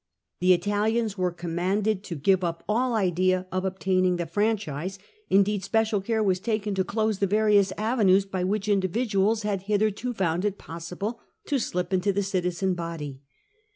The Italians were connnanded to give up all idea of obtaining the franchise ; indeed, special care was taken to close the various avenues by which individuals had hitherto found it possible to slip into the citizen body.